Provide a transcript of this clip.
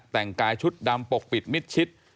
แต่งกายชุดดำปกปิดมิดชิด